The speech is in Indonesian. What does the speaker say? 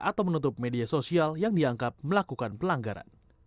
atau menutup media sosial yang dianggap melakukan pelanggaran